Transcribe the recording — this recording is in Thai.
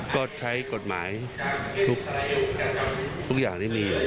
ก็ใช้กฎหมายทุกอย่างที่มีอยู่